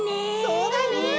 そうだね。